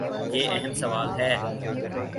یہ اہم سوال ہے۔